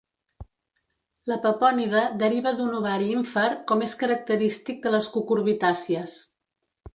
La pepònide deriva d'un ovari ínfer com és característic de les cucurbitàcies.